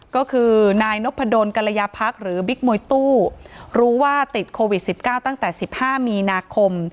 ก็คือนายนพดลกรยาพักหรือบิ๊กมวยตู้รู้ว่าติดโควิด๑๙ตั้งแต่๑๕มีนาคม